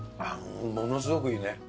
ものすごくいいね。